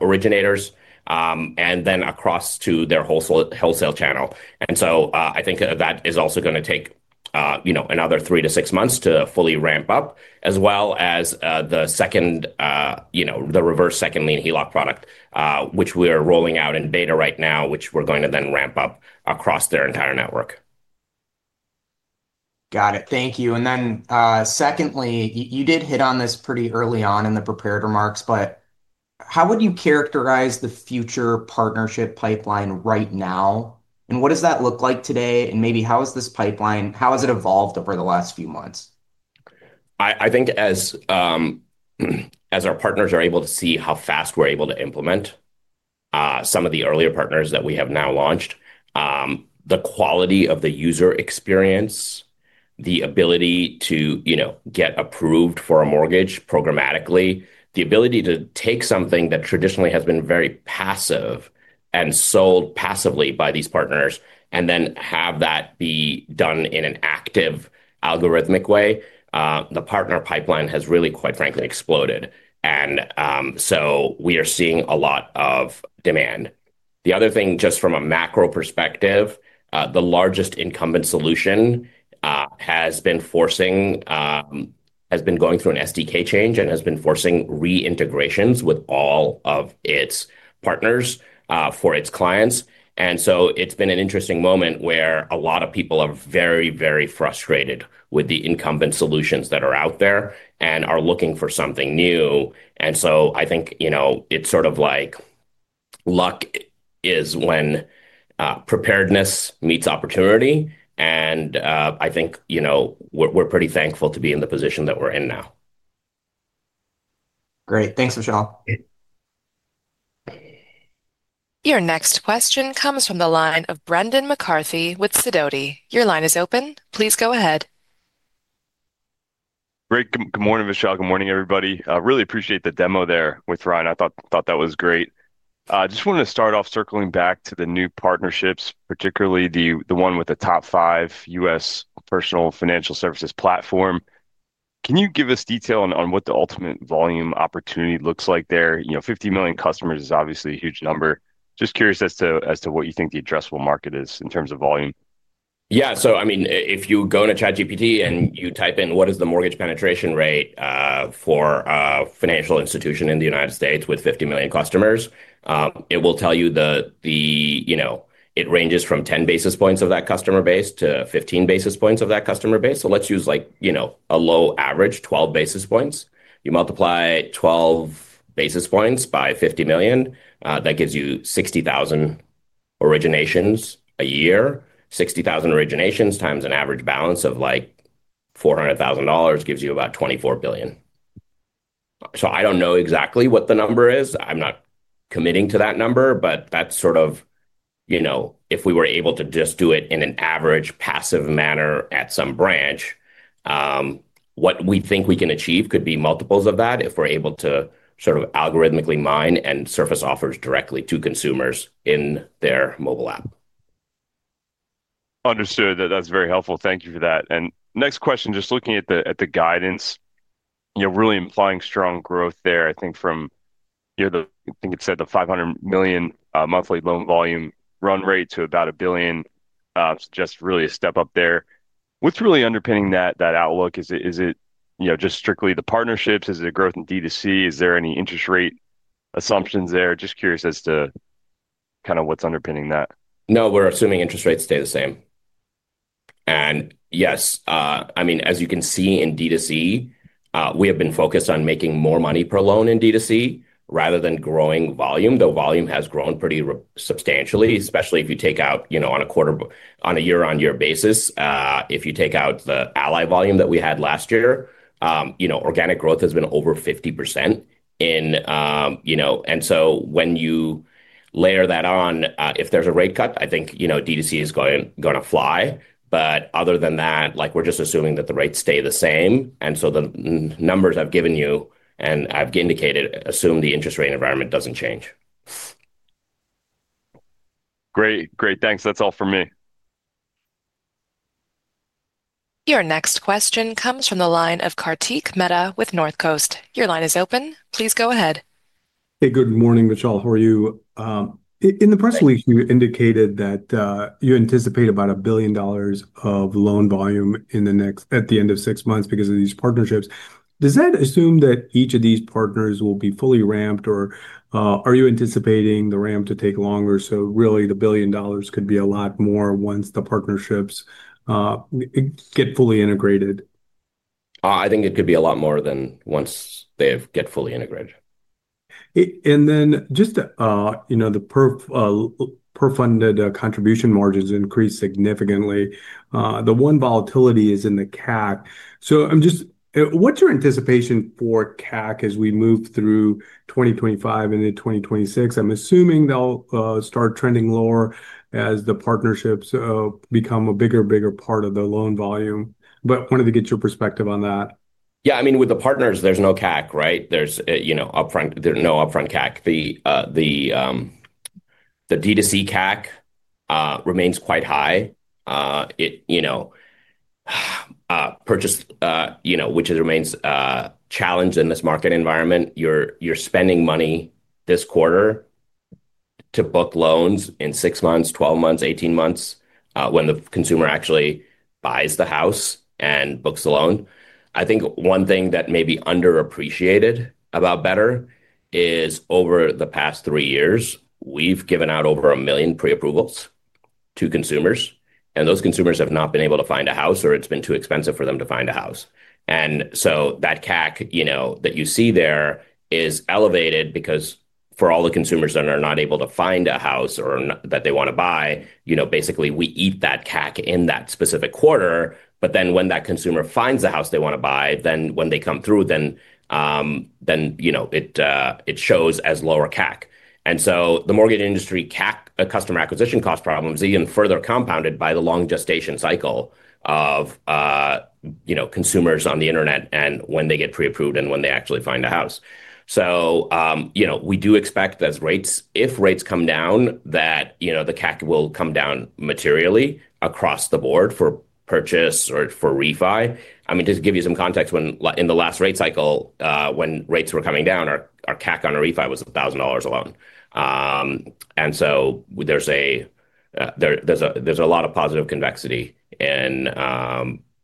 originators, and then across to their wholesale channel. I think that is also going to take another three to six months to fully ramp up, as well as the reverse second lien HELOC product, which we are rolling out in beta right now, which we're going to then ramp up across their entire network. Got it. Thank you. Secondly, you did hit on this pretty early on in the prepared remarks, but how would you characterize the future partnership pipeline right now? What does that look like today? Maybe how has this pipeline, how has it evolved over the last few months? I think as our partners are able to see how fast we're able to implement some of the earlier partners that we have now launched, the quality of the user experience, the ability to get approved for a mortgage programmatically, the ability to take something that traditionally has been very passive and sold passively by these partners, and then have that be done in an active algorithmic way, the partner pipeline has really, quite frankly, exploded. We are seeing a lot of demand. The other thing, just from a macro perspective, the largest incumbent solution has been going through an SDK change and has been forcing reintegrations with all of its partners for its clients. It's been an interesting moment where a lot of people are very, very frustrated with the incumbent solutions that are out there and are looking for something new. I think it's sort of like luck is when preparedness meets opportunity. I think we're pretty thankful to be in the position that we're in now. Great. Thanks, Vishal. Your next question comes from the line of Brendan McCarthy with Sidoti. Your line is open. Please go ahead. Great. Good morning, Vishal. Good morning, everybody. Really appreciate the demo there with Ryan. I thought that was great. Just wanted to start off circling back to the new partnerships, particularly the one with the top five U.S. personal financial services platform. Can you give us detail on what the ultimate volume opportunity looks like there? 50 million customers is obviously a huge number. Just curious as to what you think the addressable market is in terms of volume. Yeah. So I mean, if you go into ChatGPT and you type in, "What is the mortgage penetration rate for a financial institution in the U.S. with 50 million customers?" it will tell you it ranges from 10 basis points of that customer base to 15 basis points of that customer base. Let's use a low average, 12 basis points. You multiply 12 basis points by 50 million. That gives you 60,000 originations a year. 60,000 originations times an average balance of like $400,000 gives you about $24 billion. I don't know exactly what the number is. I'm not committing to that number, but that's sort of, if we were able to just do it in an average passive manner at some branch, what we think we can achieve could be multiples of that if we're able to sort of algorithmically mine and surface offers directly to consumers in their mobile app. Understood. That's very helpful. Thank you for that. Next question, just looking at the guidance, really implying strong growth there, I think from, I think it said the $500 million monthly loan volume run rate to about $1 billion, just really a step up there. What's really underpinning that outlook? Is it just strictly the partnerships? Is it a growth in D2C? Is there any interest rate assumptions there? Just curious as to kind of what's underpinning that. No, we're assuming interest rates stay the same. Yes, I mean, as you can see in D2C, we have been focused on making more money per loan in D2C rather than growing volume. The volume has grown pretty substantially, especially if you take out, on a quarter, on a year-on-year basis. If you take out the Ally volume that we had last year, organic growth has been over 50%. When you layer that on, if there is a rate cut, I think D2C is going to fly. Other than that, we are just assuming that the rates stay the same. The numbers I have given you and I have indicated assume the interest rate environment does not change. Great. Great. Thanks. That is all for me. Your next question comes from the line of Kartik Mehta with Northcoast. Your line is open. Please go ahead. Hey, good morning, Vishal. How are you? In the press release, you indicated that you anticipate about a billion of loan volume at the end of six months because of these partnerships. Does that assume that each of these partners will be fully ramped, or are you anticipating the ramp to take longer? Really, the billion could be a lot more once the partnerships get fully integrated. I think it could be a lot more than once they get fully integrated. And then just the per-funded contribution margins increase significantly. The one volatility is in the CAC. What's your anticipation for CAC as we move through 2025 into 2026? I'm assuming they'll start trending lower as the partnerships become a bigger, bigger part of the loan volume. Wanted to get your perspective on that. Yeah. I mean, with the partners, there's no CAC, right? There's no upfront CAC. The D2C CAC remains quite high. Purchase, which remains challenged in this market environment. You're spending money this quarter to book loans in six months, 12 months, 18 months when the consumer actually buys the house and books the loan. I think one thing that may be underappreciated about Better is over the past three years, we've given out over a million pre-approvals to consumers. And those consumers have not been able to find a house or it's been too expensive for them to find a house. And so that CAC that you see there is elevated because for all the consumers that are not able to find a house or that they want to buy, basically we eat that CAC in that specific quarter. But then when that consumer finds the house they want to buy, then when they come through, then it shows as lower CAC. The mortgage industry CAC, customer acquisition cost problems, are even further compounded by the long gestation cycle of consumers on the internet and when they get pre-approved and when they actually find a house. We do expect that if rates come down, the CAC will come down materially across the board for purchase or for refi. I mean, to give you some context, in the last rate cycle, when rates were coming down, our CAC on a refi was $1,000 a loan. There is a lot of positive convexity in the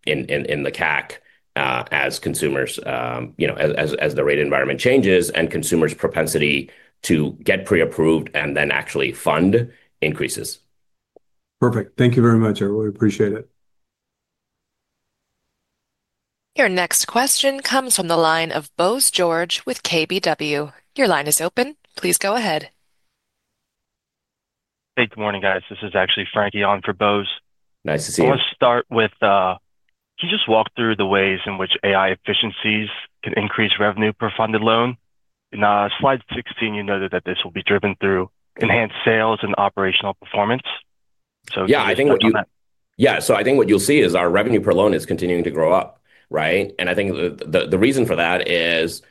CAC as the rate environment changes and consumers' propensity to get pre-approved and then actually fund increases. Perfect. Thank you very much. I really appreciate it. Your next question comes from the line of Bose George with KBW. Your line is open. Please go ahead. Hey, good morning, guys. This is actually Frankie on for Bose. Nice to see you. I want to start with, can you just walk through the ways in which AI efficiencies can increase revenue per funded loan? In Slide 16, you noted that this will be driven through enhanced sales and operational performance. Yeah, I think what you'll see is our revenue per loan is continuing to grow up, right? I think the reason for that is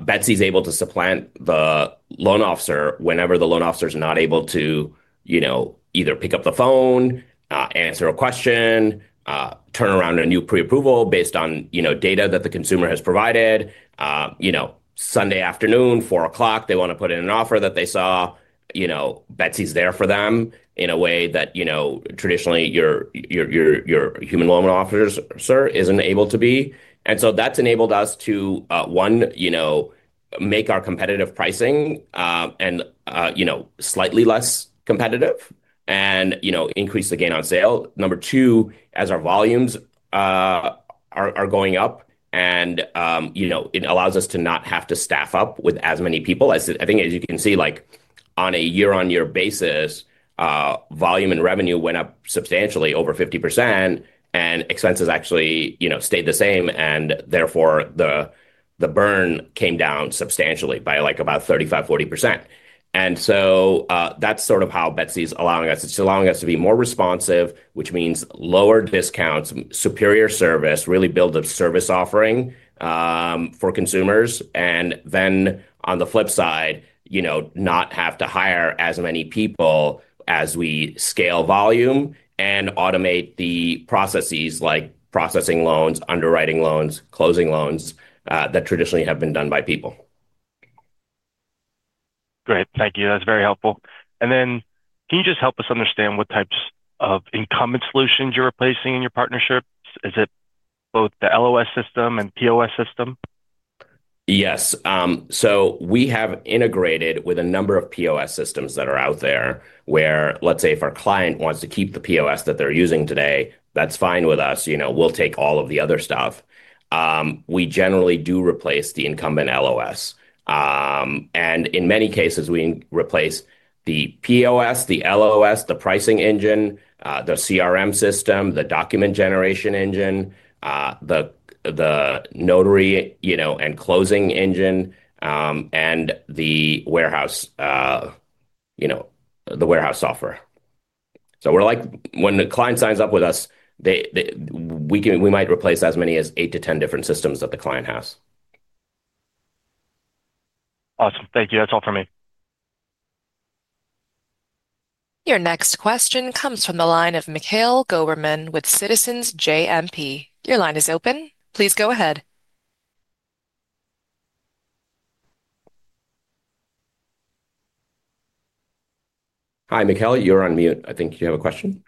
Betsy's able to supplant the loan officer whenever the loan officer is not able to either pick up the phone, answer a question, turn around a new pre-approval based on data that the consumer has provided. Sunday afternoon, 4:00 P.M., they want to put in an offer that they saw, Betsy's there for them in a way that traditionally your human loan officer isn't able to be. That has enabled us to, one, make our competitive pricing slightly less competitive and increase the gain on sale. Number two, as our volumes are going up, it allows us to not have to staff up with as many people. I think, as you can see, on a year-on-year basis, volume and revenue went up substantially, over 50%, and expenses actually stayed the same. Therefore, the burn came down substantially by about 35%-40%. That is sort of how Betsy is allowing us. It is allowing us to be more responsive, which means lower discounts, superior service, really build a service offering for consumers. On the flip side, not have to hire as many people as we scale volume and automate the processes like processing loans, underwriting loans, closing loans that traditionally have been done by people. Great. Thank you. That is very helpful. Can you just help us understand what types of incumbent solutions you're replacing in your partnership? Is it both the LOS system and POS system? Yes. We have integrated with a number of POS systems that are out there where, let's say, if our client wants to keep the POS that they're using today, that's fine with us. We'll take all of the other stuff. We generally do replace the incumbent LOS. In many cases, we replace the POS, the LOS, the pricing engine, the CRM system, the document generation engine, the notary and closing engine, and the warehouse software. When the client signs up with us, we might replace as many as 8-10 different systems that the client has. Awesome. Thank you. That's all for me. Your next question comes from the line of Mikhail Goberman with Citizens JMP. Your line is open. Please go ahead. Hi, Mikhail. You're on mute. I think you have a question.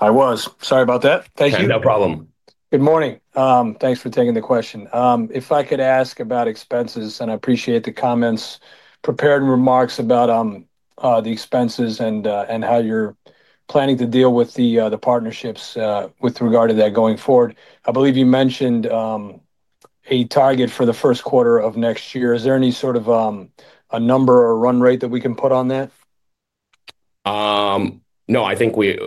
Sorry about that. Thank you. No problem. Good morning. Thanks for taking the question. If I could ask about expenses, and I appreciate the comments, prepared remarks about the expenses and how you're planning to deal with the partnerships with regard to that going forward. I believe you mentioned a target for the first quarter of next year. Is there any sort of a number or run rate that we can put on that? No, I think we're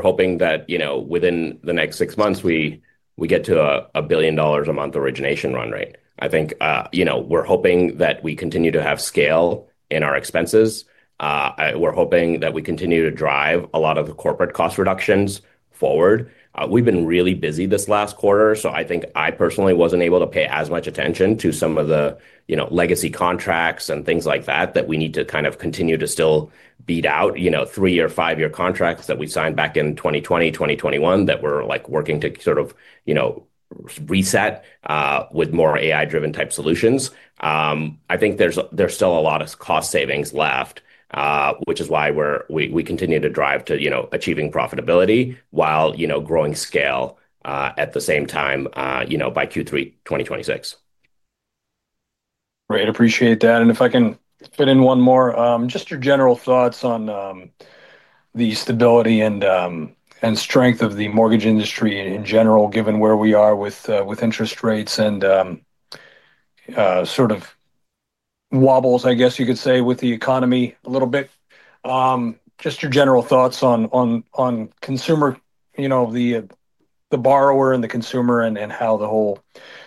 hoping that within the next six months, we get to a billion a month origination run rate. I think we're hoping that we continue to have scale in our expenses. We're hoping that we continue to drive a lot of the corporate cost reductions forward. We've been really busy this last quarter. I think I personally wasn't able to pay as much attention to some of the legacy contracts and things like that that we need to kind of continue to still beat out three-year, five-year contracts that we signed back in 2020, 2021 that we're working to sort of reset with more AI-driven type solutions. I think there's still a lot of cost savings left, which is why we continue to drive to achieving profitability while growing scale at the same time by Q3 2026. Great. Appreciate that. If I can fit in one more, just your general thoughts on the stability and strength of the mortgage industry in general, given where we are with interest rates and sort of wobbles, I guess you could say, with the economy a little bit. Just your general thoughts on consumer, the borrower and the consumer and how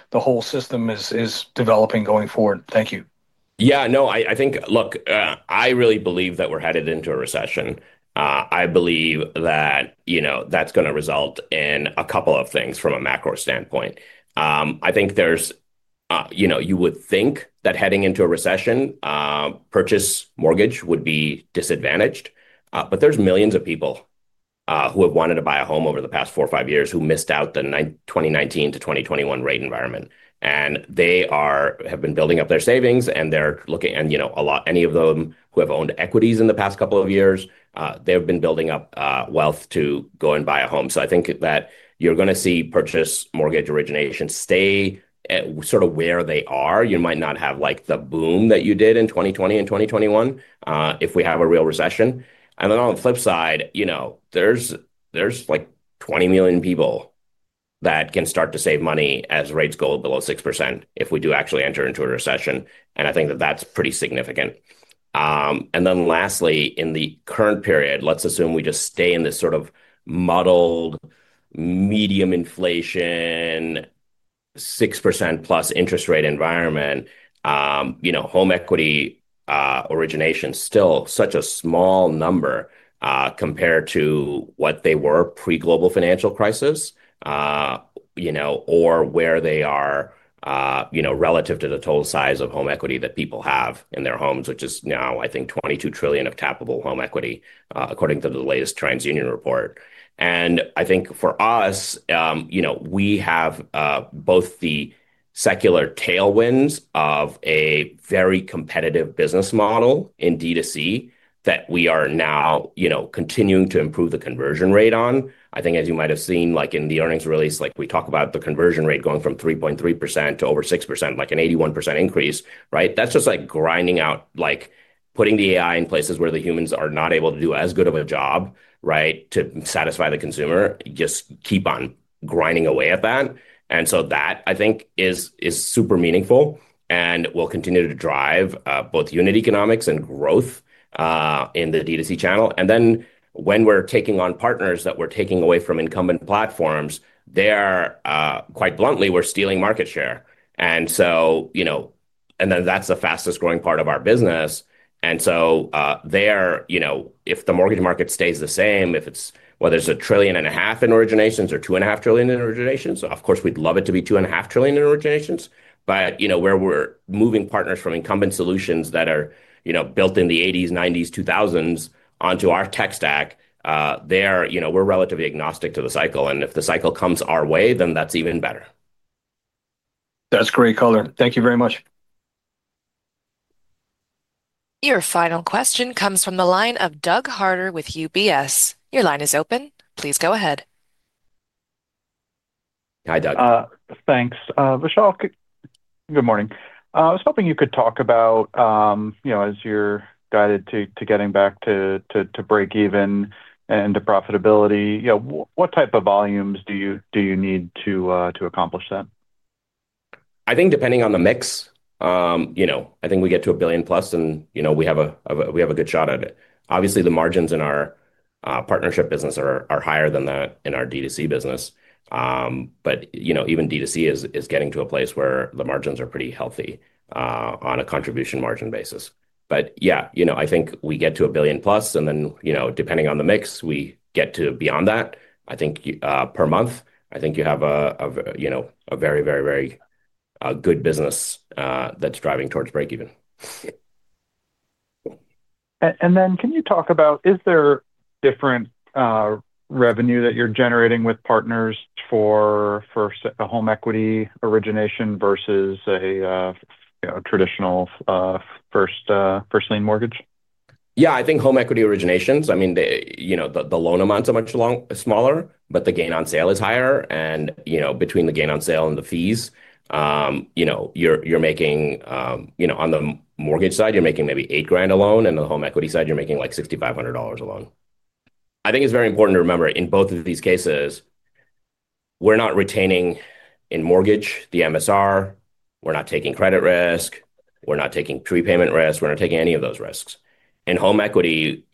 the whole system is developing going forward. Thank you. Yeah. No, I think, look, I really believe that we're headed into a recession. I believe that that's going to result in a couple of things from a macro standpoint. I think you would think that heading into a recession, purchase mortgage would be disadvantaged. There are millions of people who have wanted to buy a home over the past four or five years who missed out the 2019-2021 rate environment. They have been building up their savings, and they're looking at any of them who have owned equities in the past couple of years, they've been building up wealth to go and buy a home. I think that you're going to see purchase mortgage origination stay sort of where they are. You might not have the boom that you did in 2020 and 2021 if we have a real recession. On the flip side, there are 20 million people that can start to save money as rates go below 6% if we do actually enter into a recession. I think that is pretty significant. Lastly, in the current period, let's assume we just stay in this sort of muddled medium inflation, 6% plus interest rate environment, home equity origination is still such a small number compared to what they were pre-global financial crisis or where they are relative to the total size of home equity that people have in their homes, which is now, I think, $22 trillion of tappable home equity according to the latest TransUnion report. I think for us, we have both the secular tailwinds of a very competitive business model in D2C that we are now continuing to improve the conversion rate on. I think, as you might have seen in the earnings release, we talk about the conversion rate going from 3.3% to over 6%, like an 81% increase, right? That is just like grinding out, putting the AI in places where the humans are not able to do as good of a job, right, to satisfy the consumer, just keep on grinding away at that. That, I think, is super meaningful and will continue to drive both unit economics and growth in the D2C channel. When we are taking on partners that we are taking away from incumbent platforms, they are, quite bluntly, we are stealing market share. That is the fastest growing part of our business. If the mortgage market stays the same, whether it is a trillion and a half in originations or two and a half trillion in originations, of course, we would love it to be two and a half trillion in originations. Where we are moving partners from incumbent solutions that are built in the 1980s, 1990s, 2000s onto our tech stack, we are relatively agnostic to the cycle. If the cycle comes our way, then that is even better. That is great color. Thank you very much. Your final question comes from the line of Doug Harder with UBS. Your line is open. Please go ahead. Hi, Doug. Thanks. Vishal, good morning. I was hoping you could talk about, as you are guided to getting back to break even and to profitability, what type of volumes do you need to accomplish that? I think depending on the mix, I think we get to a billion plus and we have a good shot at it. Obviously, the margins in our partnership business are higher than that in our D2C business. Even D2C is getting to a place where the margins are pretty healthy on a contribution margin basis. Yeah, I think we get to a billion plus, and then depending on the mix, we get to beyond that. I think per month, you have a very, very, very good business that's driving towards break even. Can you talk about, is there different revenue that you're generating with partners for a home equity origination versus a traditional first lien mortgage? Yeah, I think home equity originations, I mean, the loan amounts are much smaller, but the gain on sale is higher. Between the gain on sale and the fees, you're making on the mortgage side, you're making maybe $8,000 a loan, and on the home equity side, you're making like $6,500 a loan. I think it's very important to remember in both of these cases, we're not retaining in mortgage the MSR, we're not taking credit risk, we're not taking prepayment risk, we're not taking any of those risks. In home equity,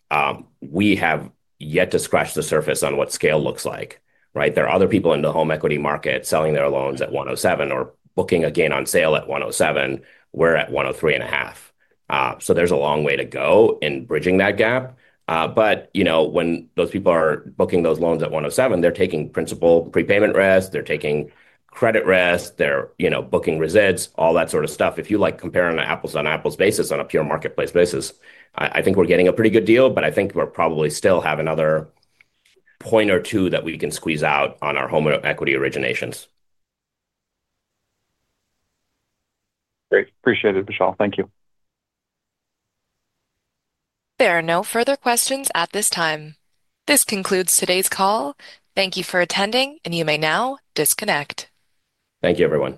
we have yet to scratch the surface on what scale looks like, right? There are other people in the home equity market selling their loans at 107 or booking a gain on sale at 107. We're at 103.5. There's a long way to go in bridging that gap. When those people are booking those loans at 107, they're taking principal prepayment risk, they're taking credit risk, they're booking resids, all that sort of stuff. If you like comparing apples to apples basis on a pure marketplace basis, I think we're getting a pretty good deal, but I think we probably still have another point or two that we can squeeze out on our home equity originations. Great. Appreciate it, Vishal. Thank you. There are no further questions at this time. This concludes today's call. Thank you for attending, and you may now disconnect. Thank you, everyone.